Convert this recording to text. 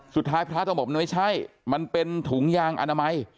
สุดท้ายพระท่านบอกไม่ใช่มันเป็นถุงยางอนามัย